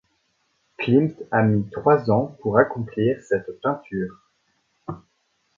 Klimt a mis trois ans pour accomplir cette peinture.